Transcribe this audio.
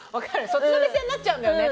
そっちの目線になっちゃうんだよね